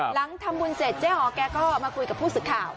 หลังทำบุญเสร็จเจ๊หอแกก็มาคุยกับผู้สื่อข่าว